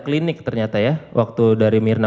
klinik ternyata ya waktu dari mirna